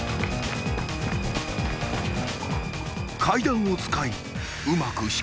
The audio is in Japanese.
［階段を使いうまく